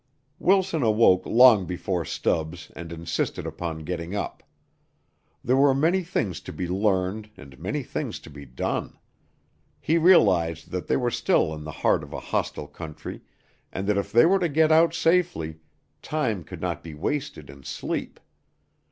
Wilson awoke long before Stubbs and insisted upon getting up. There were many things to be learned and many things to be done. He realized that they were still in the heart of a hostile country and that if they were to get out safely, time could not be wasted in sleep.